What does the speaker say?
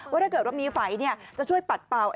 เพราะว่ามีไฝจะช่วยปัดเปล่า